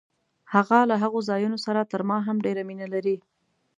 هغه له هغو ځایونو سره تر ما هم ډېره مینه لري.